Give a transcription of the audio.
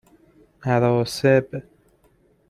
اراسب